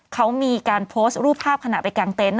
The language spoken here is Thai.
เขามีการโพสต์รูปภาพขณะไปกางเต็นต